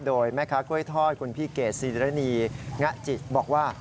โดยแม่ค้ากล้วยทอดคุณพี่เกดซีรณีงะจิบอกว่า